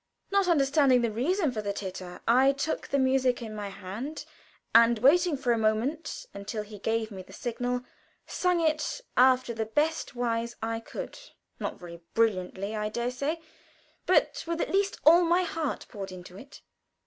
Not understanding the reason of the titter I took the music in my hand, and waiting for a moment until he gave me the signal, sung it after the best wise I could not very brilliantly, I dare say, but with at least all my heart poured into it.